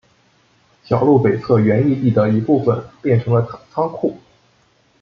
小路北侧原义地的一部分变成了仓库。